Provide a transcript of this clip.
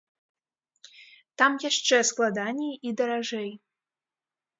Там яшчэ складаней і даражэй.